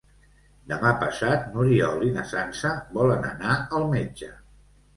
Demà passat n'Oriol i na Sança volen anar al metge.